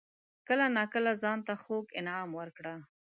کله ناکله ځان ته خوږ انعام ورکړه.